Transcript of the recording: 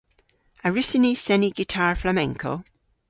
A wrussyn ni seni gitar flamenco?